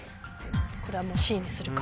これはもうＣにするか。